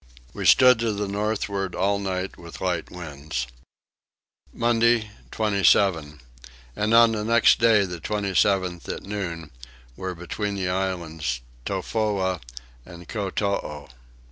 We stood to the northward all night with light winds. Monday 27. And on the next day the 27th at noon were between the islands Tofoa and Kotoo.